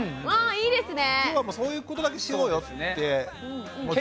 いいですね。